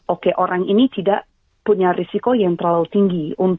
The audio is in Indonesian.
oke orang ini tidak punya risiko yang terlalu tinggi